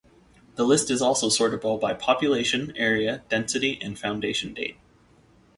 The list is also sortable by population, area, density and foundation date.